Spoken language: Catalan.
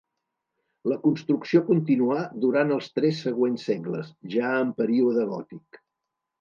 La construcció continuà durant els tres següents segles, ja en període gòtic.